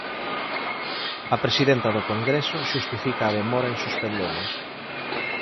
A presidenta do Congreso xustifica a demora en suspendelos.